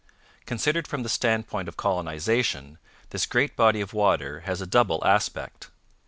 Considered from the standpoint of colonization, this great body of water has a double aspect.